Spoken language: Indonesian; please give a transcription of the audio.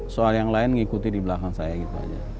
soal yang lain ngikuti di belakang saya